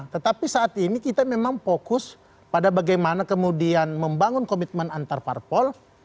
tetapi saat ini kita memang fokus pada bagaimana kemudian membangun komitmen antarparpol